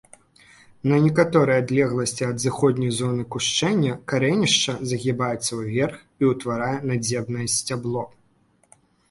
На некаторай адлегласці ад зыходнай зоны кушчэння карэнішча загібаецца ўверх і ўтварае надземнае сцябло.